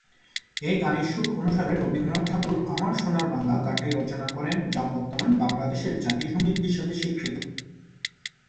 এই গানের সুর অনুসারে রবীন্দ্রনাথ ঠাকুর "আমার সোনার বাংলা" গানটি রচনা করেন, যা বর্তমানে বাংলাদেশের জাতীয় সঙ্গীত হিসেবে স্বীকৃত।